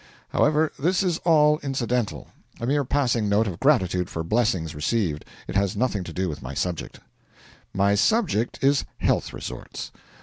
However, this is all incidental a mere passing note of gratitude for blessings received it has nothing to do with my subject. My subject is health resorts.